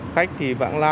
khách thì vãng lai